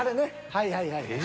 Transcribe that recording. はいはいはいはい。